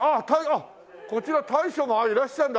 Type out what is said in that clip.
あっこちら大将がいらっしゃるんだ。